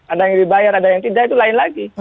ada yang dibayar ada yang tidak itu lain lagi